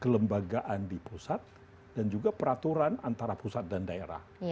kelembagaan di pusat dan juga peraturan antara pusat dan daerah